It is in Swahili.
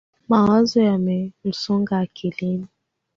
Mawazo yamemsonga akilini